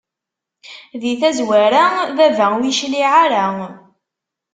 Di tazwara baba ur yecliɛ ara.